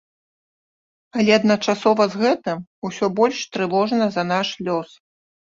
Але адначасова з гэтым усё больш трывожна за наш лёс.